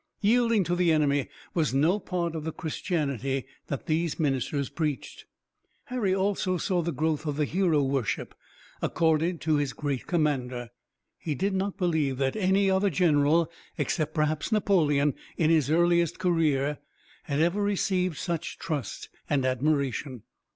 Yielding to the enemy was no part of the Christianity that these ministers preached. Harry also saw the growth of the hero worship accorded to his great commander. He did not believe that any other general, except perhaps Napoleon in his earlier career, had ever received such trust and admiration.